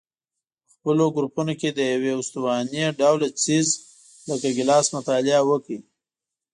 په خپلو ګروپونو کې د یوه استواني ډوله څیز لکه ګیلاس مطالعه وکړئ.